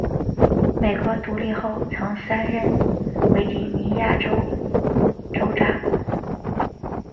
美国独立后曾三任维吉尼亚州州长。